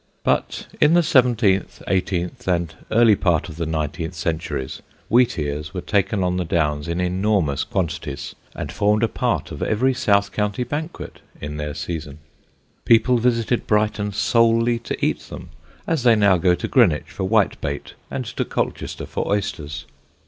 But in the seventeenth, eighteenth and early part of the nineteenth centuries, wheatears were taken on the Downs in enormous quantities and formed a part of every south county banquet in their season. People visited Brighton solely to eat them, as they now go to Greenwich for whitebait and to Colchester for oysters.